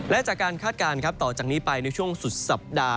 และจากการคาดการณ์ต่อจากนี้ไปในช่วงสุดสัปดาห